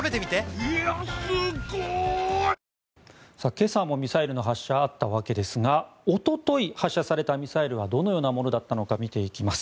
今朝もミサイルの発射があったわけですがおととい発射されたミサイルはどのようなものだったのか見ていきます。